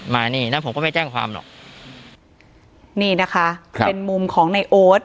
มานี่แล้วผมก็ไม่แจ้งความหรอกนี่นะคะครับเป็นมุมของในโอ๊ต